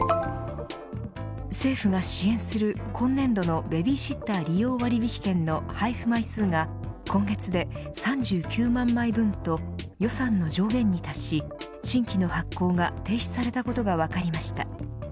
政府が支援する今年度のベビーシッター利用割引券の配布枚数が、今月で３９万枚分と予算の上限に達し新規の発行が停止されたことが分かりました。